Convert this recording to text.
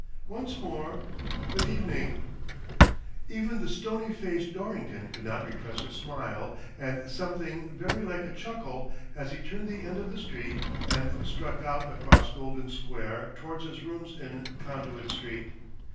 Once more — good evening !" Even the stony faced Dorrington could not repress a smile and something very like a chuckle as he turned the end of the street and struck out across Golden Square tow^ards his rooms in Con 182 THE DOBlilNGTON DEED BOX duit Street.